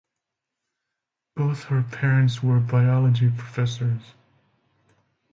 Both her parents were biology professors.